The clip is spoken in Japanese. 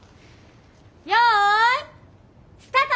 よいスタート！